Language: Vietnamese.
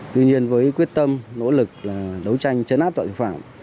tuy nhiên với quyết tâm nỗ lực đấu tranh chấn áp tội phạm